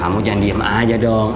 kamu jangan diem aja dong